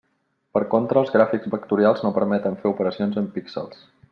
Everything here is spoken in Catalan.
Per contra, els gràfics vectorials no permeten fer operacions amb els píxels.